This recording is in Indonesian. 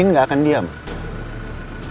karena saya dan andi gak akan diam